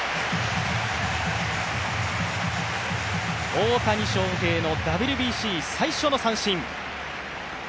大谷選手のＷＢＣ、最初の三振。